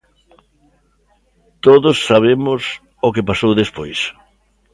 Todos sabemos o que pasou despois.